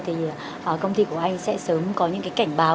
thì công ty của anh sẽ sớm có những cái cảnh báo